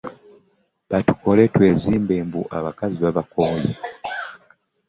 Ba tukole twezimbe abakazi mbu baabakooye.